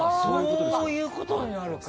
そういうことになるか！